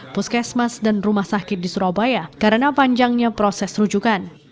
puskesmas dan rumah sakit di surabaya karena panjangnya proses rujukan